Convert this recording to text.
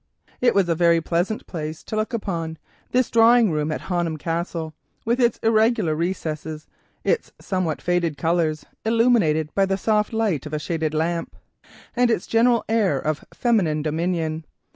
It was a very pleasant place to look upon, this drawing room at Honham Castle, with its irregular recesses, its somewhat faded colours illuminated by the soft light of a shaded lamp, and its general air of feminine dominion.